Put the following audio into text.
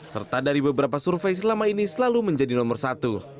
serta dari beberapa survei selama ini selalu menjadi nomor satu